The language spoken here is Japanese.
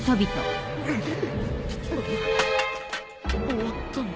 終わったのか？